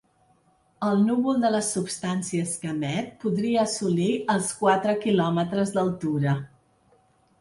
El núvol de les substàncies que emet podria assolir els quatre quilòmetres d’altura.